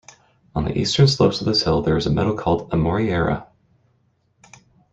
On the eastern slopes of this hill there is meadow called Amoreira.